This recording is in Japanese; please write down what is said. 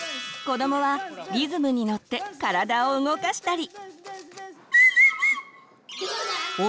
子どもはリズムにのって体を動かしたり。